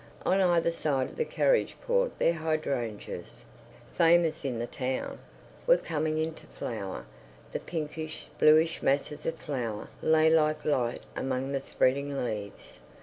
On either side of the carriage porch their hydrangeas—famous in the town—were coming into flower; the pinkish, bluish masses of flower lay like light among the spreading leaves.